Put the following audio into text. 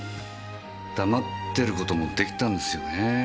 黙ってる事もできたんですよねぇ。